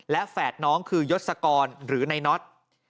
และแฝดน้องคือยศกรหรือในน็อต